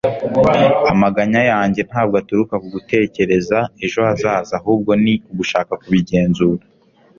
Amaganya yanjye ntabwo aturuka ku gutekereza ejo hazaza ahubwo ni ugushaka kubigenzura.”